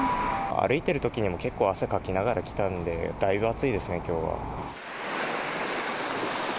歩いてるときも結構汗かきながら来たんで、だいぶ暑いですね、きょうは。